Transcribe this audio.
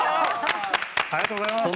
・ありがとうございます。